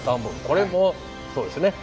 これもそうですね。